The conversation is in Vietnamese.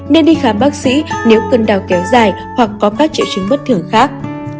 nên đi khám bác sĩ nếu cơn đau kéo dài hoặc có các triệu chứng bất thường khác